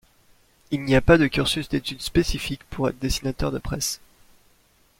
Il n'y a pas de cursus d'études spécifique pour être dessinateur de presse.